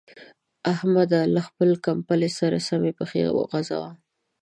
احمده! له خپلې کمبلې سره سمې پښې غځوه.